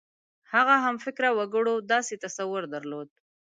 هغه همفکره وګړو داسې تصور درلود.